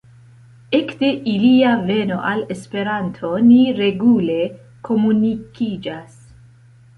Ekde ilia veno al Esperanto ni regule komunikiĝas.